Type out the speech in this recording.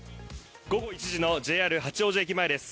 午後１時のＪＲ八王子駅前です